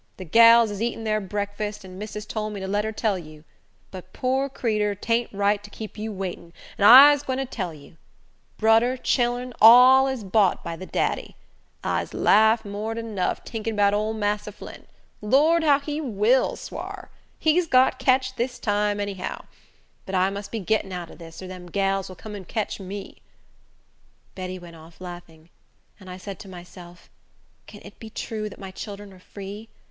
De gals is eating thar breakfast, and missus tole me to let her tell you; but, poor creeter! t'aint right to keep you waitin', and I'se gwine to tell you. Brudder, chillern, all is bought by de daddy! I'se laugh more dan nuff, tinking 'bout ole massa Flint. Lor, how he vill swar! He's got ketched dis time, any how; but I must be getting out o' dis, or dem gals vill come and ketch me." Betty went off laughing; and I said to myself, "Can it be true that my children are free?